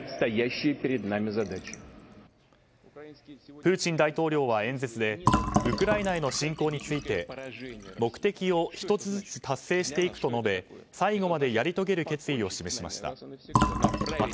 プーチン大統領は演説でウクライナへの侵攻について目的を１つずつ達成していくと述べ最後までやり遂げる決意を示しました。